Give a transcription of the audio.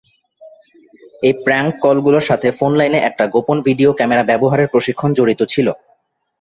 এই প্রাঙ্ক কলগুলোর সাথে ফোন লাইনে একটা গোপন ভিডিও ক্যামেরা ব্যবহারের প্রশিক্ষণ জড়িত ছিল।